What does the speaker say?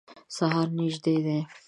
سهار نیژدي دی